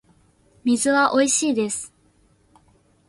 水はおいしいです